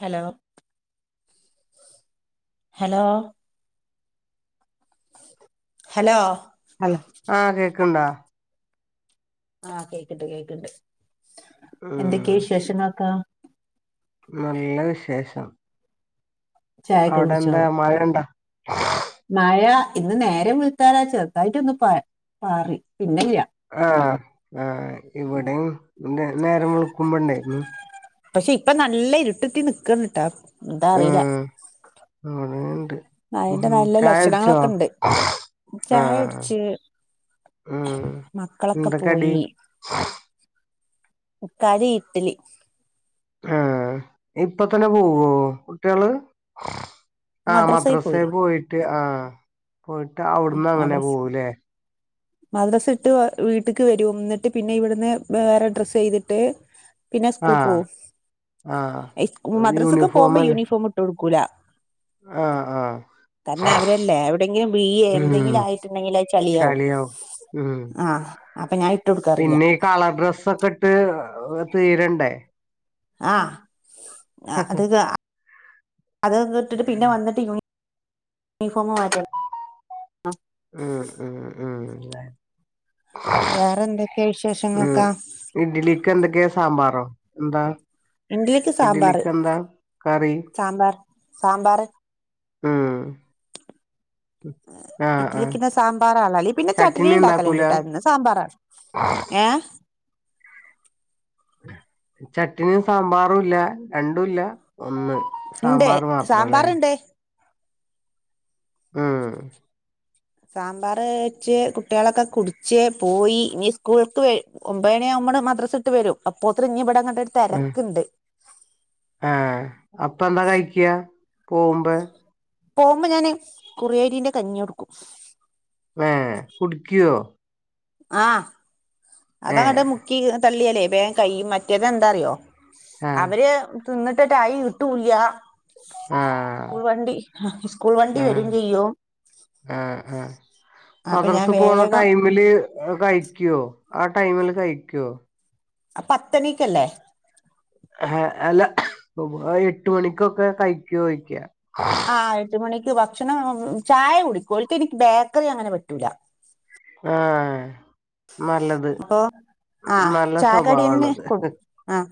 Hello? Hello? Hello? Hala ആഹ് കേക്ക്ണ്ടാ ആഹ് കേക്ക്ണ്ട് കേക്ക്ണ്ട് എന്തൊക്കെ ഉം വിശേഷങ്ങളൊക്കാ? നല്ല വിശേഷം. ചായൊക്കെ കുടിച്ചോ അവിടെന്താ മഴെണ്ടാ? മഴ ഇന്ന് നേര വെൽത്താര ചെറുതായിട്ടൊന്ന് പാർ പാറി പിന്നെല്ല്യാ. ആഹ് ആ ഇവിടിം നേരം വെളിക്കുമ്പെണ്ടായിരുന്നു. പക്ഷെ ഇപ്പ നല്ല ഇരുട്ടുത്തി ന്നിക്കേണിട്ടാ. ഉം അങ്ങനെണ്ട്. ഉം മഴന്റെ നല്ല ചായട്ച്ചോ ലക്ഷണങ്ങളൊക്കെ ഇണ്ട് ചായ ആഹ് കുടിച്ച് ഉം മക്കളൊക്കെ എന്താക്കടി പോയി ഹും ക്കടി ഇട്ലി ആഹ ഇപ്പ തന്നെ പോവോ കുട്ടയള് ആഹ് മദ്രസയിൽ മദ്രസേ പോയില്ലേ പോയിട്ട് ആഹ് പോയിട്ട് അവിടന്നങ്ങനെ പോവൂലേ.? [unintelligible] മദ്രസിട്ട് വീട്ടിക്ക് വരും ന്നെട്ട് പിന്നെ ഇവിടുന്ന് വേറെ ഡ്രസ്സ് ചെയ്തിട്ട് പിന്ന സ്കൂൾ ആഹ് പോകും ആഹ് ഇസ് മദ്രസക്ക് പോകുമ്പോ യൂണിഫോമല്ലേ യൂണിഫോമ് ട്ടോട് ക്കൂല ആഹ് ആഹ് തന്നെ അവരെല്ലേ എവിടെങ്കിലും ബീയേ ഉം എന്തെങ്കിലായിട്ടെണ്ടെങ്കിലേ അഹ് ചളിയാവും ആഹ് അപ്പ ഞാൻ ഇട്ടൊട് ക്കാറില്ല. പിന്നെ ഈ കളർ ഡ്രെസ്സെക്കിട്ട് ഉം തീരണ്ടേ. ആഹ് അത് അതൊന്നിട്ട് ഇട്ടിട്ട് പിന്നെ വന്നിട്ട് യൂണിഫോം യുണീഫോമ് മാറ്റണ്. ഉം ഉം ഉം അല്ലേ. വേറെന്തെക്കെയാ വിശേഷങ്ങളൊക്കാ ഇഡ്ഡലിക്കെന്തൊക്കെയാ സാമ്പാറോ എന്താ ഇഡലിക്ക്‌ സാമ്പാറ് ഇഡ്ലിക്ക് എന്താ കറി സാമ്പാർ സാമ്പാറ്. ഊം. ആഹ് ഇഡലിക്ക്‌ സാമ്പാറാ അല്ലെങ്കി ൽ പിന്നെ ചട്ടിണി ചട്നീം ഉണ്ടാക്കൽ ഉണ്ടാക്കൂല ഉണ്ട്ട്ടോ ഇന്ന് സാമ്പാറാ. ഏഹ് ചട്ട്നീം സാമ്പാറൂല്ല രണ്ടു ഇല്ലാ ഒന്ന് ഇണ്ട് സാമ്പാറ് മാത്രല്ലേ. സാമ്പാറുണ്ട് ഊം സാമ്പാറ് ഒഴിച്ചു കുട്ടികളൊക്ക കുടിച്ച് പോയി ഇനി സ്കൂൾക്ക് വെരും ഒമ്പരയാവു [unintelligible] മദ്രസ ഇട്ട് വരും ഉം അപ്പോത്രിനിവിടങ്ങാടൊരുതെരക്കിണ്ട്. ആഹ് അപ്പെന്താ കഴിക്ക്യ പോവുമ്പ്. പോകുമ്പോൾ ഞാൻ കുറിയരീന്റെ കഞ്ഞി കൊടുക്കും. ഹെ കുടിക്ക്യോ ആഹ് ഏഹ് അതങ്ങട്ട് മുക്കി തള്ളിയാല് വേഗം കഴിയും മറ്റേത് എന്താന്നറിയോ ആഹ് അവര് തിന്നിട്ട് ആയികിട്ടൂല ആഹ് സ്കൂൾ വണ്ടി സ്കൂൾ വണ്ടി വരും ആഹ് ചെയ്യും ആഹ് ആഹ് അപ്പൊ ഞാൻ വേഗം കഴിക്കുമോ ആ ടൈമില് കഴിക്കുമോ പത്തണിക്കല്ലേ ആഹ് അല്ല എട്ട് മണിക്കൊക്കെ കഴിക്കോന്ന് ചോദിക് ആ എട്ട് മണിക്ക് ഭക്ഷണം ചായ കുടിക്കും ഓൾക്ക് ബേക്കറി അങ്ങനെ പറ്റൂല ആഹ് നല്ലത് അപ്പൊ ആഹ് നല്ല ചായക്കടിയന്നെ സ്വഭാവണത് കൊ ആഹ്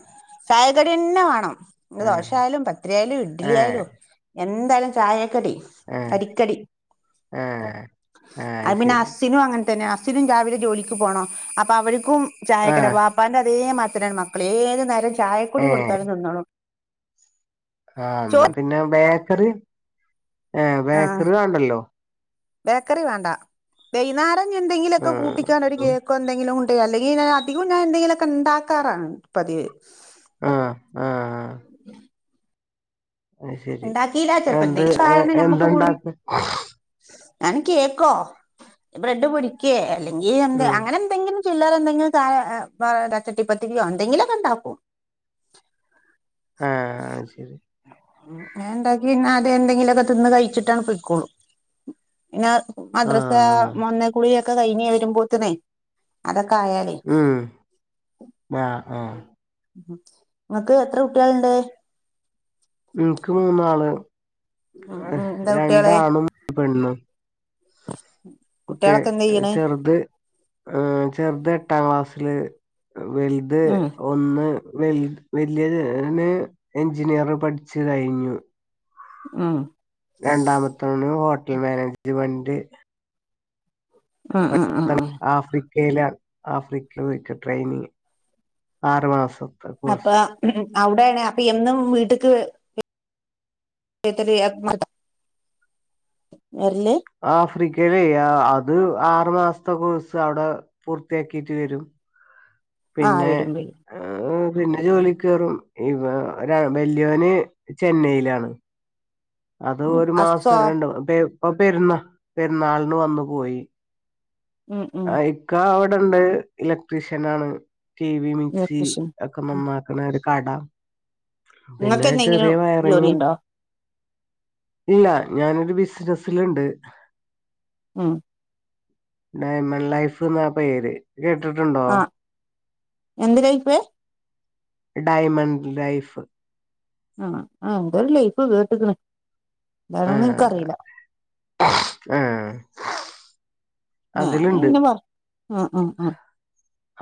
ചായക്കടിന്നെ വേണം ആഹ് ദോശയാലും പത്തിരി ആയാലും ഇഡ്ഡലി ഏഹ് ആയാലും എന്തായാലും ചായക്കടി ഏഹ് അരിക്കടി ആഹ്... അത് പിന്നെ ശരി അസ്സിനും അങ്ങനെ അത് പിന്നെ അസിനും രാവിലെ ജോലിക്ക് പോണം അപ്പൊ അവർക്കും ചായക്കടി ആഹ് ഉപ്പാന്റെ അതേ മാതിരി ആണ് മക്കൾ ഏതു നേരം ചായക്കൂടി ഏഹ് കൊടുത്താലും നിന്നോളൂ ആഹ് എന്നാ പിന്നെ ബേക്കറി ഏ ആഹ് ബേക്കറി വേണ്ടല്ലോ ബേക്കറി വേണ്ട വൈകുന്നേരം എന്തെങ്കിലുക്കെ ആഹ് കൂട്ടിക്കാന് ഒരു കേക്ക് ക്ക് എന്തെങ്കിലും ഉണ്ടോ അല്ലെങ്കിൽ അധികം ഞാൻ എന്തെിലൊക്കെ ഉണ്ടാക്കാറാണ് പതിവ് ആഹ് ആഹ് ആഹ് അത് ശരി ഉണ്ടാക്കില്ല ചെലപ്പം എന്ത് എന്തെങ്കിലും കാരണം നമ്മുക്ക് കൂടുലും എന്താണ്ടാക്ക ഞാൻ കേക്കോ ബ്രെഡ് പൊരിക്കെ അല്ലെങ്കിൽ ഉം എന്തെങ്കിലും അങ്ങനെ എന്തെങ്കിലും ചില്ലറ എന്തെങ്കിലുംഒക്കെ ച്ചട്ടിപ്പത്തിരിയോ എന്തെങ്കിലുമൊക്കെ ഉണ്ടാക്കും ആഹ് അത് ശരി ഉ ഞാൻ ഉണ്ടാക്കിന്നെ അതെ എന്തെങ്കിലൊക്ക തിന്ന് കഴിച്ചിട്ടാണ് പൊയ്ക്കോളൂ പിന്നെ മദ്രസയിൽ ആഹ് നിന്ന് വന്നു കുളിയൊക്കെ കഴിഞ്ഞു വരുമ്പോളതിന്നു അതൊക്കെ ആയാലേ ഉം ആ ആ നിങ്ങക്ക് എത്ര കുട്ടികളുണ്ട്? എനിക്ക് മൂന്നാള് ഉം ഉം എന്താ കുട്ടികള് രണ്ടാണും ഒരു പെണ്ണും കുട്ടിയ കുട്ടികളൊക്കെ എന്ത് ചെയ്യണ് ചെറുത് ഏ ചെറുത് എട്ടാം ക്ലാസില് വലുത്- ഉം ഒന്ന് വലിയവന് എഞ്ചിനീയർ പഠിച്ചു കഴിഞ്ഞു ഹും രണ്ടാമത്തോന് ഹോട്ടൽ മാനേജ്മെന്റ് ഉം ഉം ഉം ഉം [inaudible] ആഫ്രി ക്കെയ്‌ല ആഫ്രിക്കയില് നിക്ക ട്രെയിനിങ് ആറു മാസം അപ്പ അവിടെയാണ് അപ്പൊ എന്നും വീട്ടക്ക് [inaudible] വരല് ആഫ്രിക്കയിലെ അത് ആറു മാസത്തെ കോഴ്സ് അവിടെ പൂർത്തിയാക്കിട്ട് വരും ആ പിന്നെ വരും വരും ഏഹ് പിന്നെ ജോലിക്ക് കയറും ഇ രാ വല്യോന് ചെന്നൈയിലാണ് അത് ഒരു ഹസ്സോ മാസം രണ്ട് ഇപ്പ പെരുന്നാ പെരുന്നാളിന് വന്നു പോയി ഉം ഉം ആഹ് ഇക്ക അവിടെണ്ട് ഇലക്ട്രീഷ്യൻ ആണ് ടി വി മിക്സി ഇലക്ട്രീഷ്യൻ ഒക്കെ ഉം നന്നാക്കണ ഒരു കട നിങ്ങൾക്ക് പിന്നെ എന്തെങ്കിലും ചെറിയ വയറിങ്ങും ജോലിയുണ്ടോ ഇല്ല ഞാനൊരു ബിസിനസിലുണ്ട് ഉം ഡയമൺ ലൈഫ് എന്ന പേര് കേട്ടിട്ടുണ്ടോ ആ എന്ത് ലൈഫ്? ഡയമൺ ലൈഫ് ആഹ് ആഹ് എന്തോ ഒരു ലൈഫ് കേട്ടിക്കണ് ഇതാന്നോന്ന് ആഹ് എനിക്കറിയില്ല ആഹ് ഞാ അതിലുണ്ട് പിന്നെ പറ ആഹ് ആഹ് ആഹ്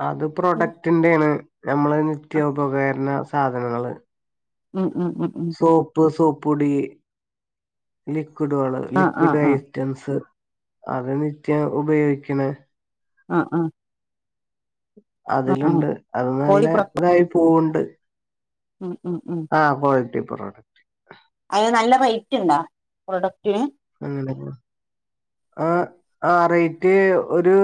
അത് പ്രൊഡക്ടിന്റെയണ് നമ്മള് ആ നിത്യ ഉപകരണ സാധനങ്ങള് ഉം ഉം ഉം ഉം സോപ്പ് സോപ്പ് പൊടി ലിക്വിഡുകള് ആ ആ ലിക്വിഡ് ഐ ആ റ്റംസ് അത് നിത്യം ഉപയോഗിക്കണ ആഹ് ആഹ് അതിലുണ്ട് അത് നല്ല കോഴിപ്ര ഇതായി പോവുണ്ട് ഉം ഉം ഉം ആഹ് ക്വാളിറ്റി പ്രൊടെ അതിന് നല്ല റൈറ്റ് ഉണ്ടൊ പ്രൊഡക്ടിന് അങ്ങനെ പോ ആഹ് ആഹ് റേറ്റ് ഒരു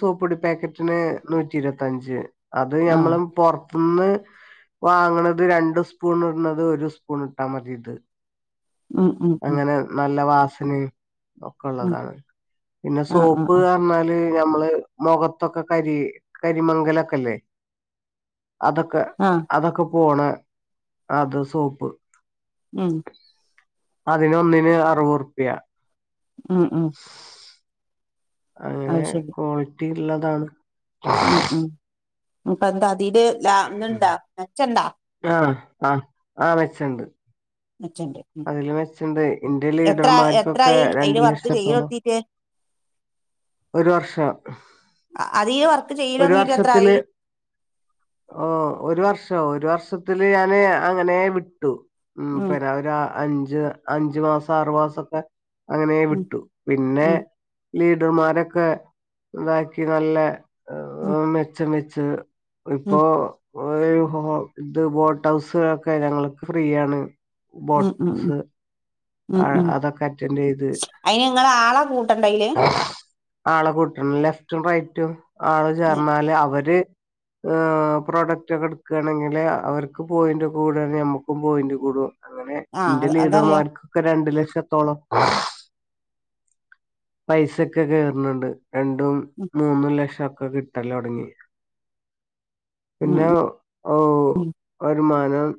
സോപ്പ്പൊടി പാക്കറ്റിന് നൂറ്റി ഇരുപത്തഞ്ച് അത് ആ ഞമ്മള് പൊർ തിന്ന് വാങ്ങണത് രണ്ട് സ്പൂൺ ഇട്ണത് ഒരു സ്പൂൺ ഇട്ടാ മതി ഇത് ഉം ഉം ഉം അങ്ങനെ നല്ല വാസന് ഉം ഒക്കെള്ളതാണ് പിന്നെ ആ ആ സോപ്പ് ആ പറഞ്ഞാ നമ്മള് മുഖത്തൊക്കെ കരി കരിമംഗലൊക്കെല്ലേ അതൊക്കെ ആഹ് അതൊക്കെ പോണേ അത് സോപ്പ് ഉം അതിന് ഒന്നിന് അറുപതുർപ്യ ഉം ഉം അങ്ങനെ അത് ശരി ക്വാളിറ്റി ഇള്ളതാണ് ഉം ഉം ഇപ്പ എന്താ അതില് ലാ ത്ണ്ട മെച്ചണ്ട ആഹ് ആഹ് ആഹ് മെച്ചണ്ട് മെച്ചണ്ട് അതില് മെച്ചണ്ട് ഇന്റെ എത്ര ലീഡർമാർക്കൊക്കെ എത്രായി രണ്ട് അതില് വർക്ക് ചെയ്യ ലക്ഷത്തോളം തൊത്തിയിട്ട് ഒരു വർഷം അതീ വർക്ക് ഒരു ചെയ്ലോടങ്ങീട്ട് വർഷത്തില് എത്രായി ഓ ഒരു വർഷോ ഒരു വർഷത്തില് ഞാന് അങ്ങനെ വിട്ടു ഉം പിരാ ഒരു അഞ്ച് അഞ്ചു മാസം ആറുമാസം ഒക്കെ അങ്ങനെ ഉം വിട്ടു പിന്നെ ഉം ലീഡർമാരൊക്കെ ഇതാക്കി നല്ല ഉം മെച്ചം വെച്ച് ഉം ഇപ്പോ ഇത് ബോട്ട് ഹൗസുകളൊക്കെ ഞങ്ങക്ക് ഫ്രീയാണ്. ഉം ഉം ഉം ബോട്ട്സ് ഉം ഉം ചെയ്ത് അതിന് നിങ്ങൾ ആളെ കൂട്ടണ്ടെ അതില് ആളെ കൂട്ടണം ലെഫ്റ്റും റൈറ്റും ആള് ചേർന്നാല് അവര് പ്രോഡക്റ്റ് ഒക്കെ എടുക്കുകയാണെങ്കിൽ അവർക്ക് പോയിന്റ് കൂടാണെങ്കിൽ ഞമ്മക്കും പോയിന്റ് കൂടും. അങ്ങനെ ഇന്റെ ആഹ് അതറിയാം ലീഡർമാർക്ക് ക്കെ രണ്ടു ലക്ഷത്തോളം പൈസൊക്കെ കേയറുന്നുണ്ട് രണ്ടും ഉം മൂന്നും ലക്ഷം ഒക്കെ കിട്ടല് തുടങ്ങി പിന്നെ ഉം ഓ ഉം വരുമാനം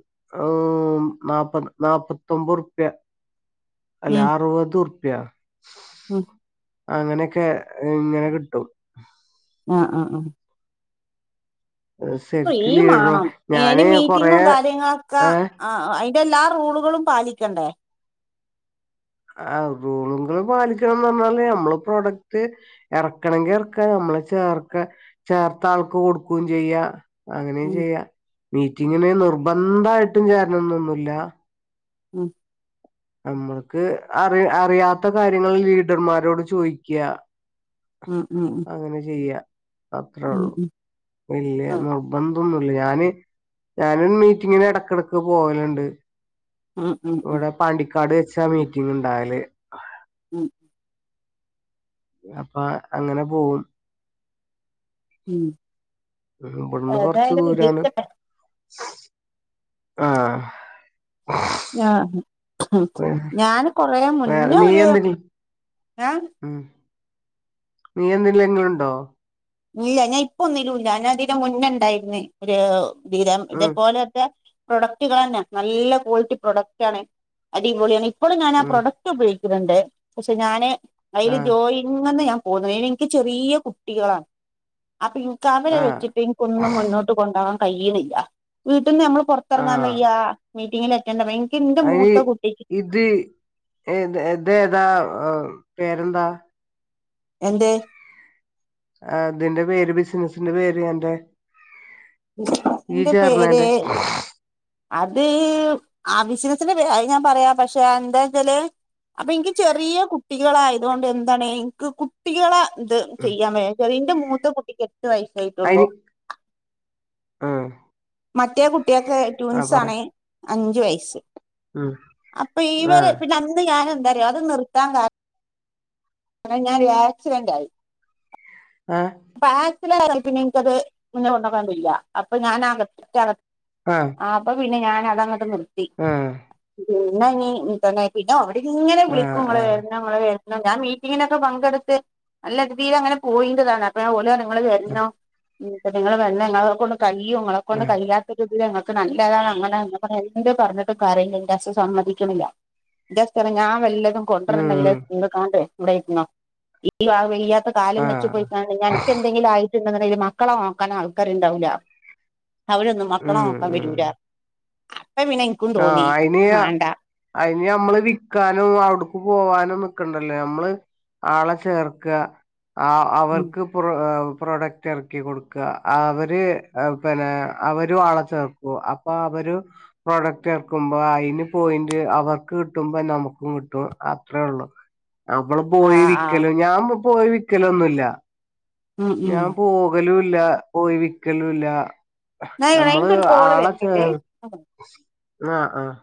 നാപത് നാപത്തൊമ്പത് ഉർപ്യാ അല്ല ഉം അറുപത് ഉറുപ്പ്യ ഉം അങ്ങനെയൊക്കെ ഇങ്ങനെ കിട്ടും. ഉം ഉം ഉം ഫ്രീ ശരിക്ക് ലീഡർ മാണം അയിന് ഞാന് കൊറേ മീറ്റിങ്ങും കാര്യങ്ങളൊക്കെ ആ അതിന്റെ എല്ലാ റൂളുകളും പാലിക്കണ്ടേ ആ റൂളുകൾ പാലിക്കണംന്ന് പറഞ്ഞാല് നമ്മള് പ്രൊഡക്റ്റ് ഇറക്കണെങ്കി ഇറക്കാ നമ്മള് ചേർത്ത ചേർത്ത ആൾക്ക് കൊടുക്കയും ചെയ്യാ അങ്ങനെയും ഉം ചെയ്യാം മീറ്റിങ്ങിന് നിർബന്ധയിട്ടും ചേരണന്നൊന്നുമില്ല. ഉം നമ്മക്ക് അറ അറിയാത്ത കാര്യങ്ങള് ലീഡർമാരോട് ചോദിക്കുക. ഉം ഉം ഉ അങ്ങനെ ചെയ്യാ അത്രേയുള്ളൂ വല്യ ഉം നിർബന്ധം ഒന്നുമില്ല ഞാന് ഞാനും മീറ്റിങ്ങിന് ഇടക്കിടക്ക് പോകലുണ്ട്. ഉം ഉം ഉം പാണ്ടിക്കാട് വെച്ചാ മീറ്റിംഗ് ഇണ്ടാവല് ഉം അപ്പ അങ്ങനെ പോകും. ഉം ഇവിടുന്ന് കൊറച്ച് ഏതായാലും ദൂരാണ്. വിജയിക്കട്ടെ ആഹ്. ആ ഞാൻ കൊറ വേറെ മുന്നേ നീ ഒരു എന്തെങ്കിലും ഉം നീ എന്തില്ലെങ്കിലും ഉണ്ടോ? ഇല്ല ഞാൻ ഇപ്പൊ ഒന്നിലുമില്ല. ഞാൻ അതിന്റെ മുന്നണ്ടായിരുന്നേ ഒരു വീരം ഉം ഇതേപോലെക്കെ. പ്രൊഡക്റ്റുകൾ തന്നെ നല്ല ക്വാളിറ്റി പ്രൊഡക്റ്റ് ആണ്. അടിപൊളിയാണ് ഇപ്പോളും ഞാൻ ആ ഉം പ്രൊഡക്ട് ഉപയോഗിക്കുന്നുണ്ട്. പക്ഷെ ഞാന് അതിൽ ആഹ് ജോയി ഇങ്ങനെ ഞാൻ പോകുന്നു. എനിക്ക് ചെറിയ കുട്ടികളാണ്. അപ്പൊ ഇനിക്ക് അവരെ ആഹ് വെച്ചിട്ട് ഇനിക്ക് ഒന്നും മുന്നോട്ട് കൊണ്ടാവാൻ കഴിയണില്ല. വീട്ടിൽ നിന്ന് നമ്മൾ പുറ ഇറങ്ങാൻ ആഹ് വയ്യ മീറ്റിങ്ങിൽ അറ്റൻ എനിക്ക് എന്റെ മൂത്ത കുട്ടിക്ക്. ത് ഇത് എത് ഏതാ പേരെന്താ. എന്തേ അതിന്റെ പേര് ബിസിനസിന്റെ പേര് എന്തേ ഇന്റെ പേര് ചേർന്നേന്റെ അത് ആ ബിസിനസിന്റെ പേ ഞാൻ പറയാം പക്ഷെ എന്താ വച്ചാല്. അപ്പൊ എനിക്ക് ചെറിയ കുട്ടികളായതു കൊണ്ട് എന്താണ് എനിക്ക് കു ട്ടികളെ എന്ത് ചെയ്യാൻ വേ ഇന്റെ മൂത്ത കുട്ടിക്ക് എട്ടു വയസ്സായിട്ടുള്ളു. മ്മ് മറ്റേ കുട്ടികൾക്ക് ട്യൂൻസ് ആണ് അഞ്ചു വയസ്സ് ഉം അപ്പൊ ഇവരെ ആഹ് പിന്നെ അന്ന് ഞാൻ എന്തറിയോ അത് നിർത്താൻ കാര ണം ഞാൻ ഒരു ആക്സിഡന്റ് ആയി. ആഹ് പാര്സല് പിന്നെ എനിക്കത് മുന്നെ കൊണ്ടാവാൻ ഇല്ല അപ്പൊ ഞാൻ [unintelligible] ആഹ് അപ്പൊ പിന്നെ ഞാനതങ്ങട്ട് നിർത്തി ആഹ് പിന്നെ ഇനീ ഇതെന്നെ പിന്നെ ഓല്ങ്ങെനെ വിളിക്കും ആഹ് ഇങ്ങെള് ആഹ് ര്‌ണം ങ്ങള് വെര്ണം ഞാൻ മീറ്റിങ്ങിനൊക്കെ പങ്കെട്ത്ത് നല്ല രീതിയിലങ്ങെനെ പോയിര്താണ് അപ്പഴാ ഓല് ങ്ങൾ വെർനം. പിന്നെ ങ്ങൾ വെർനം ങ്ങളെക്കൊണ്ട് കഴിയും. ങ്ങളെക്കൊണ്ട് ആഹ് കഴിയാ [unintelligible] ങ്ങെക്ക് നല്ലതാണ് അങ്ങനാ ഞാ പർ എന്ത് പറഞ്ഞിട്ടും കാര്യല്ല ഇന്റെ ഹസ് സമ്മതിക്ക്ണ്ല്ല ഇന്റെ ഹസ് പറയും ഞാൻ വെല്ലെതും കൊണ്ടര്ണ്ടെങ്കില് ഉം [unintelligible] ഇവിടെ ഇര്ന്നോ ഈ വെയ്യാത്ത കാലും വെച്ച് ആഹ് പോയിക്കാണ്ട് ഇഞ്ഞ് അനക്കെന്തേ എന്തെങ്കിലും ആയിട്ട്ണ്ട്ന്ന്ണ്ടെങ്കില് മക്കളെ നോക്കാന് ആൾക്കാര്ണ്ടാവൂല അവരൊന്നും മക്കളെ ഉം നോ ക്കാം ഉം വെരൂലാ അപ്പം പിന്നെ ഇൻക്കും തോന്നി മാണ്ടാ അയ്ന് ഞമ്മള് വിക്കാനും അവ്ട്ക്ക് പോവാനും നിക്കണ്ടല്ലോ ഌമ്മള് ആളെ ചേർക്ക ആ അവർക്ക് പ് പ്രൊഡക്റ്റെർക്കി കൊട്ക്ക അവര് പിന്നെ അവരും ആളെ ചേർ ഓ അപ്പൊ അവര് പ്രോഡെക്റ്റ് എർക്കുമ്പോ അയ്ന് പോയിന്റ് അവർക്ക് കിട്ടുമ്പം നമുക്കും കിട്ടും അത്രേ ഒള്ളു നമ്മള് ആ പോയി ആ വിക്കലും ഞാൻ പോയ് വിക്കലൊന്നുല്ല ഉം ഉം ഞാൻ പോകലൂല്ല പോയി വിക്കെലൂല്ല എന്നാ നമ്മള് എനിക്കൊരു കോള് ആളെ ചേർ വരുന്നുണ്ടേ ആഹ് ആഹ്